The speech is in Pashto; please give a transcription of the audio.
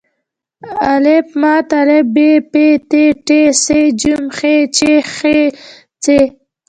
آا ب پ ت ټ ث ج ح چ خ څ